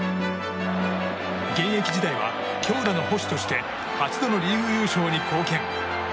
現役時代は、強打の捕手として８度のリーグ優勝に貢献。